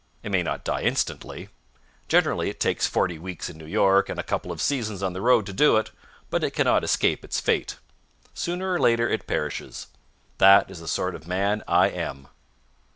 It may not die instantly. Generally it takes forty weeks in New York and a couple of seasons on the road to do it, but it cannot escape its fate. Sooner or later it perishes. That is the sort of man I am.